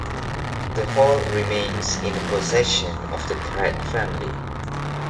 The hall remains in the possession of the Pratt family.